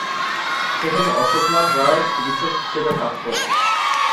সেখানে অশোক নাথ রায় চিকিৎসক হিসেবে কাজ করেন।